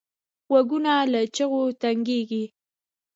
غوږونه له چغو تنګېږي